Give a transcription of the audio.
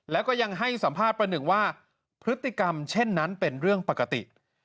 แล้วก็ยังให้สัมภาษณ์ประหนึ่งว่าพฤติกรรมเช่นนั้นเป็นเรื่องปกติ